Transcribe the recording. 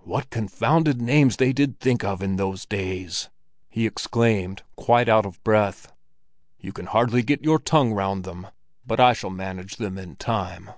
"What confounded names they did think of in those days!" he exclaimed, quite out of breath. "You can hardly get your tongue round them! But I shall manage them in time."